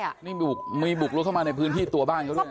นี่มีบุกลุกเข้ามาในพื้นที่ตัวบ้านเขาด้วยนะ